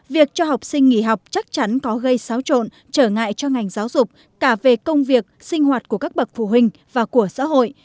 việc cho học sinh nghỉ học chắc chắn có gây xáo trộn trở ngại cho ngành giáo dục cả về công việc sinh hoạt của các bậc phụ huynh và của xã hội